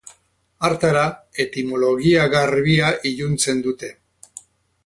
Hartara, etimologia garbia iluntzen dute.